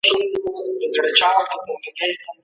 رقیبانو به وي وړي د رویبار د پلونو نښي